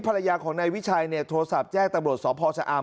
ภรรยาของนายวิชัยเนี่ยโทรศัพท์แจ้งตำรวจสพชะอาม